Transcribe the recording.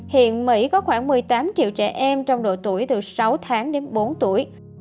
hiện mỹ có khoảng một mươi tám triệu trẻ em trong độ tuổi từ sáu tháng đến bốn tuổi